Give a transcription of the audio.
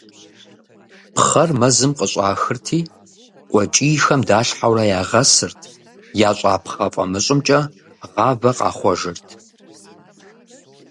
Пхъэр мэзым къыщӏахырти, къуэкӏийхэм далъхьэурэ ягъэсырт, ящӏа пхъэ фӏамыщӏымкӏэ гъавэ къахъуэжырт.